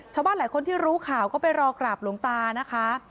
ชาวบ้านหลายคนที่รู้ข่าวก็ไปรอกราบหลวงตานะคะ